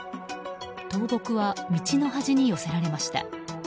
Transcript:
倒木は道の端に寄せられました。